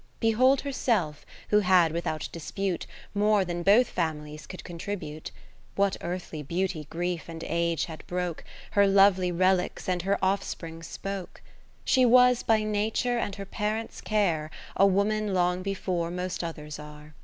Behold herself, who had without dispute, More than both families could contribute. What early beauty Grief and Age had broke, Her lovely rehques and her offspring spoke. 20 She was by Nature and her parents' care, A woman long before most others are.